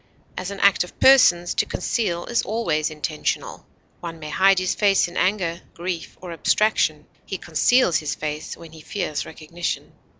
As an act of persons, to conceal is always intentional; one may hide his face in anger, grief, or abstraction; he conceals his face when he fears recognition.